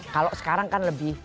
kalau sekarang kan lebih